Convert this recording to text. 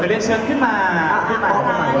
ก็เรียกเชิญขึ้นมา